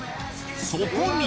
そこに！